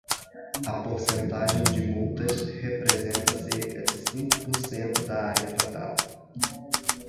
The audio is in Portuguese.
A porcentagem de multas representa cerca de cinco por cento da área tratada.